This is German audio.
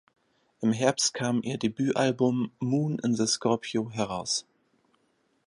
Im Herbst kam ihr Debütalbum "Moon in the Scorpio" heraus.